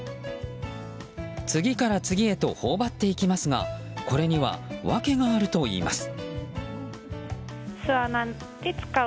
次から次へと頬張っていきますがこれには訳があるといいます。